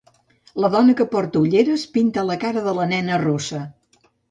la dona que porta ulleres pinta la cara de la nena rossa.